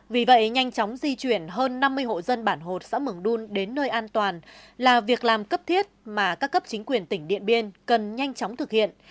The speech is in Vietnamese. vì vậy nhanh chóng di chuyển hơn năm mươi hộ dân bản hột xã mường đun đến nơi an toàn là việc làm cấp thiết mà các cấp chính quyền tỉnh điện biên cần nhanh chóng thực hiện